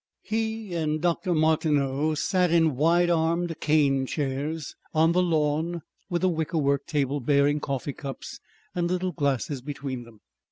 He and Dr. Martineau sat in wide armed cane chairs on the lawn with a wickerwork table bearing coffee cups and little glasses between them.